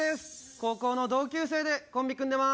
高校の同級生でコンビ組んでます。